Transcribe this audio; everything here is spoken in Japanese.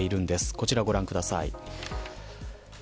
こちらをご覧ください。